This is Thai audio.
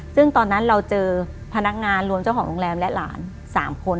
ซึ่งตอนนั้นเราเจอพนักงานรวมเจ้าของโรงแรมและหลาน๓คน